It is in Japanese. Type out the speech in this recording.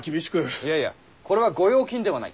いやいやこれは御用金ではない。